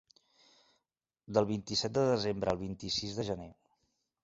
Del vint-i-set de desembre al vint-i-sis de gener.